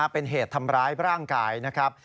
เป็นเหตุทำร้ายร่างกายนะครับ